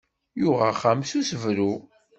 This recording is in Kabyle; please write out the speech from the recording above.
Yuɣ axxam s usebru.